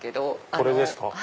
これですか。